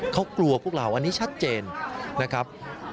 เขากลัวพวกเราอันนี้ชัดเจนนะครับ